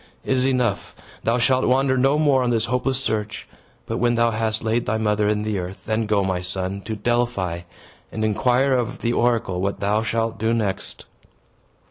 It is enough. Thou shalt wander no more on this hopeless search. But, when thou hast laid thy mother in the earth, then go, my son, to Delphi, and inquire of the oracle what thou shalt do next."